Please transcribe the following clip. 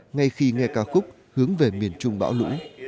ngay khi nghe ca khúc hướng về miền trung bão lũ